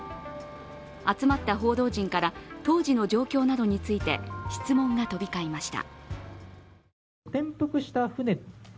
集まった報道陣から当時の状況などについて質問が飛び交いました。